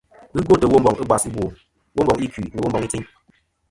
Ghɨ gwòtɨ Womboŋ ɨbwas ɨbwò, womboŋ ikui nɨ womboŋ i tsiyn.